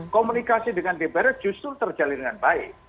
komunikasi dengan dpr justru terjalin dengan baik